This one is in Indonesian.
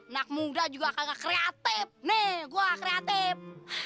anak muda juga kagak kreatif nih gua kreatif